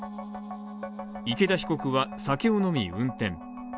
池田被告は酒を飲み、運転。